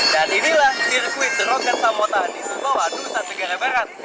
dan inilah sirkuit roket samota di surbawa nusa tenggara barat